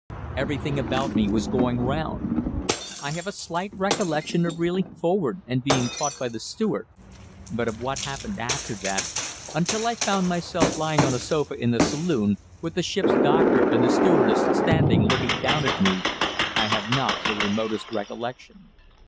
Everything about me was going round. I have a slight recollection of reeling forward and being caught by the steward, but of what happened after that, until I found myself lying on a sofa in the saloon, with the ship's doctor and the stewardess standing looking down at me. I have not the remotest recollection.